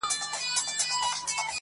اولادونه مي له لوږي قتل کېږي٫